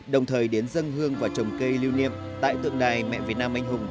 đồng thời đến dân hương và trồng cây lưu niệm tại tượng đài mẹ việt nam anh hùng